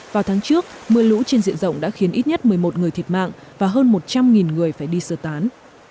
vào tháng trước mưa lũ trên diện rộng đã khiến ít nhất một mươi một người thiệt mạng và hơn một trăm linh người phải đi sơ tán